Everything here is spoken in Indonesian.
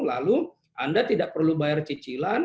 lalu anda tidak perlu bayar cicilan